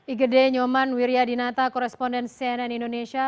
igede nyoman wiryadinata koresponden cnn indonesia